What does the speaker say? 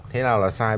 thế nào là sai